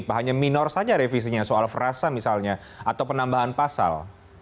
hanya minor saja revisinya soal frasa misalnya atau penambahan pasal